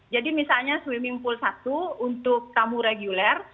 jadi misalnya swimming pool satu untuk tamu regular